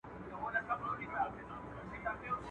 چي وخت د ښکار سي تازي غولو ونيسي